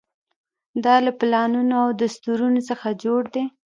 دا له پلانونو او دستورونو څخه جوړ دی.